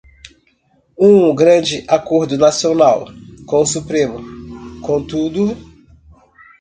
Um grande acordo nacional, com Supremo, com tudo